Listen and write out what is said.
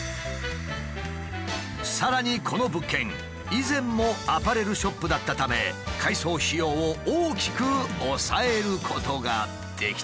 さらにこの物件以前もアパレルショップだったため改装費用を大きく抑えることができた。